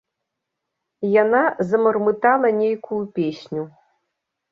Яна замармытала нейкую песню.